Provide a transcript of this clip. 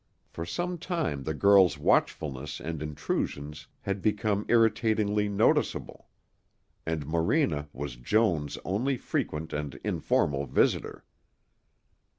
For some time the girl's watchfulness and intrusions had become irritatingly noticeable. And Morena was Joan's only frequent and informal visitor.